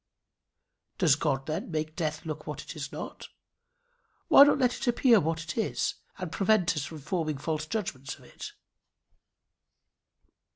Does God, then, make death look what it is not? Why not let it appear what it is, and prevent us from forming false judgments of it?